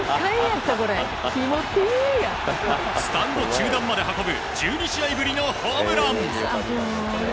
スタンド中段まで運ぶ１２試合ぶりのホームラン。